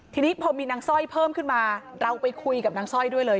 ทีนี้พอมีนางสร้อยเพิ่มขึ้นมาเราไปคุยกับนางสร้อยด้วยเลย